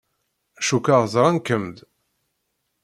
Cukkeɣ ẓran-kem-d.